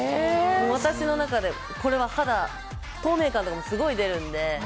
私の中で、これは肌の透明感もすごい出るので。